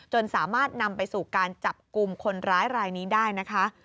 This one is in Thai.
สามารถนำไปสู่การจับกลุ่มคนร้ายรายนี้ได้นะคะ